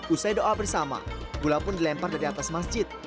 usai doa bersama gula pun dilempar dari atas masjid